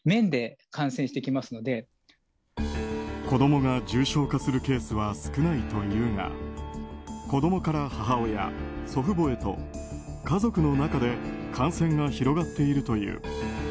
子供が重症化するケースは少ないというが子供から母親、祖父母へと家族の中で感染が広がっているという。